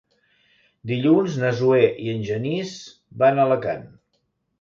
Dilluns na Zoè i en Genís van a Alacant.